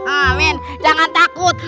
amin jangan takut